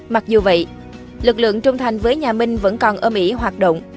mặc dù vậy lực lượng trung thành với nhà minh vẫn còn ơm ỉ hoạt động